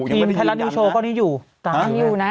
ยังไม่ได้ยืนยันพีมไพรัสยูโชว์ก้อนี้อยู่อยู่นะ